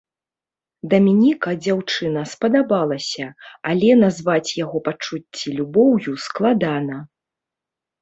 Даменіка дзяўчына спадабалася, але назваць яго пачуцці любоўю складана.